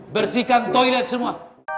bersihkan toilet semua